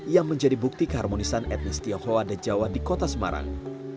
yang menjadi bukti keharmonisan etnis tionghoa dan jawa di kota semarang